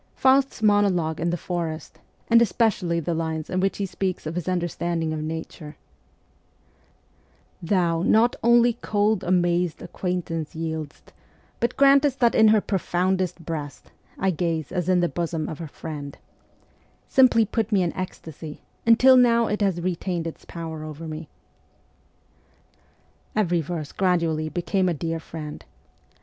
Faust's monologue in the forest, and especially the lines in which he speaks of his understanding of nature, Thou Not only cold, amazed acquaintance yield'st, But grantest that in her profoundest breast I gaze, as in the bosom of a friend, simply put me in ecstasy, and till now it has retained ts power over me. Every verse gradually became a dear friend.